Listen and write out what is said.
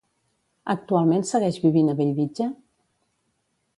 Actualment segueix vivint a Bellvitge?